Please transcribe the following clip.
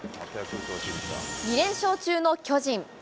２連勝中の巨人。